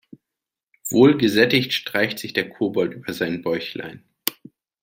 Wohl gesättigt streicht sich der Kobold über sein Bäuchlein.